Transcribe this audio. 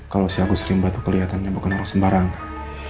kalau si agus rimba itu kelihatannya bukan orang sembarangan